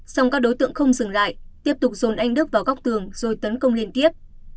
xong các đối tượng không dừng lại tiếp tục dồn anh đức vào góc tường rồi tấn công liên tiếp